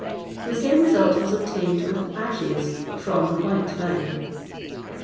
The same result was obtained with ashes from the white vine.[XXVIII.